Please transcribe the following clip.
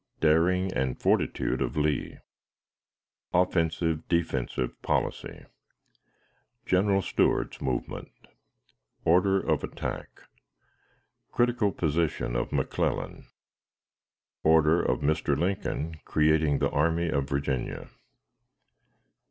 Daring and Fortitude of Lee. Offensive Defensive Policy. General Stuart's Movement. Order of Attack. Critical Position of McClellan. Order of Mr. Lincoln creating the Army of Virginia.